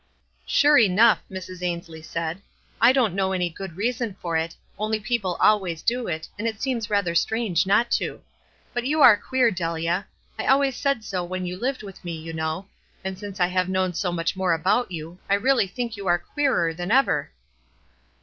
" "Sure enough," Mrs. Ainslie said. tc I don't know any good reason for it, only people alwa}'s do it, and it scerns rather strange not to ; but you are queer, Delia. I always said so when you lived with me, you know ; and since I have WISE AND OTHERWISE. 367 known so much more about you, I really think you are queerer than ever."